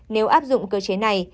nếu áp dụng cơ chế này